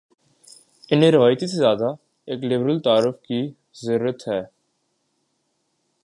انہیں روایتی سے زیادہ ایک لبرل تعارف کی ضرت ہے۔